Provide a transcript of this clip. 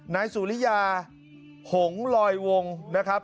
นายสุริยาหงลอยวงนะครับ